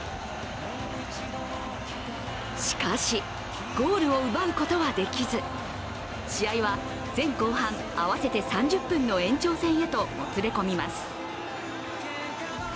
しかし、ゴールを奪うことはできず試合は前後半合わせて３０分の延長戦へともつれ込みます。